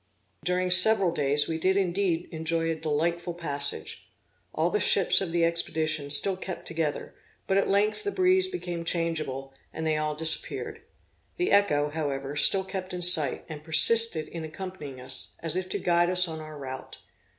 During several days we did indeed enjoy a delightful passage. All the ships of the expedition still kept together, but at length the breeze became changeable, and they all disappeared. The Echo, however, still kept in sight, and persisted in accompanying us, as if to guide us on our route.